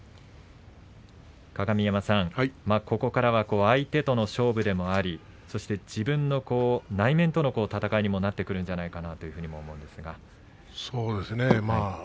鏡山さん、ここからは相手との勝負でもありそして自分の内面との闘いにもなってくるんじゃないかなとそうですね。